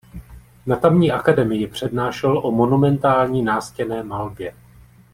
Na tamní Akademii přednášel o monumentální nástěnné malbě.